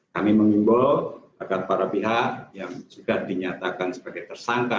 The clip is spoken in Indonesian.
kami mengimbau agar para pihak yang sudah dinyatakan sebagai tersangka